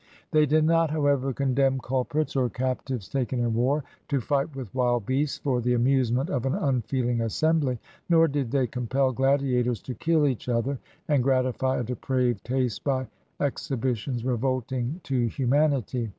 They did not, however, condemn culprits, or captives taken in war, to fight with wild beasts for the amuse ment of an unfeeling assembly; nor did they compel gladiators to kill each other, and gratify a depraved taste by exhibitions revolting to humanity.